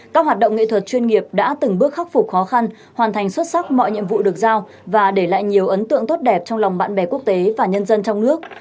các hoạt động nghệ thuật chuyên nghiệp đã từng bước khắc phục khó khăn hoàn thành xuất sắc mọi nhiệm vụ được giao và để lại nhiều ấn tượng tốt đẹp trong lòng bạn bè quốc tế và nhân dân trong nước